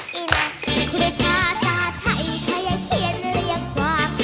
คุณภาษาไทยค่ะยังเขียนเรียกว่าง